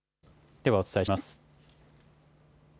ではお伝えします。